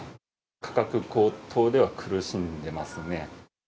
価格高騰では苦しんでますね。